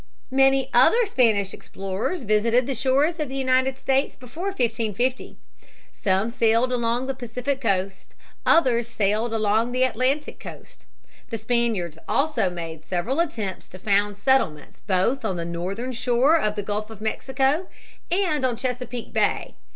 Many other Spanish explorers visited the shores of the United States before 1550. Some sailed along the Pacific coast; others sailed along the Atlantic coast. The Spaniards also made several attempts to found settlements both on the northern shore of the Gulf of Mexico and on Chesapeake Bay.